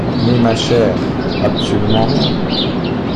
Mais, ma chère, absolument rien.